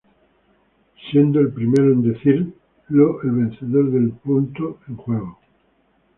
Siendo el primero en decirlo el vencedor del punto en juego.